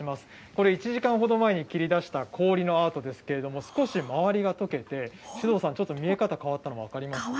これ、１時間ほど前に切り出した氷のアートですけれども、少し周りがとけて、首藤さん、少し見え方変わったの分かりますか。